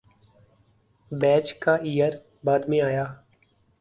باچ کا ایئر بعد میں آیا